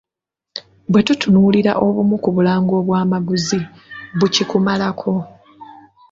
Bwe tutunuulira obumu ku bulango obwamaguzi, bukikumalako!